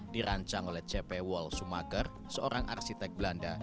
dirancang oleh c p wol sumager seorang arsitek belanda